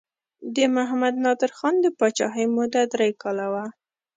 د محمد نادر خان د پاچاهۍ موده درې کاله وه.